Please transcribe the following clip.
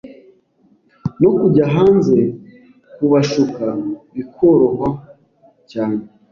no kujya hanze kubashuka bikoroha cyane